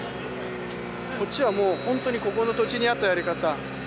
こっちはもうほんとにここの土地に合ったやり方。